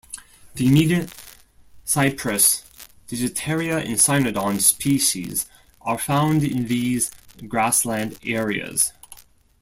"Themeda", cypress, "Digitaria", and "Cynodon" species are found in these grassland areas.